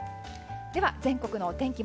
では全国のお天気